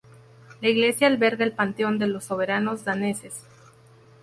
La iglesia alberga el panteón de los soberanos daneses.